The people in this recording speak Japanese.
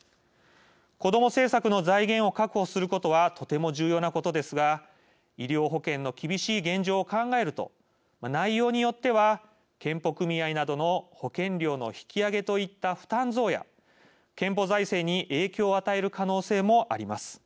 子ども政策の財源を確保することはとても重要なことですが医療保険の厳しい現状を考えると内容によっては健保組合などの保険料の引き上げといった負担増や健保財政に影響を与える可能性もあります。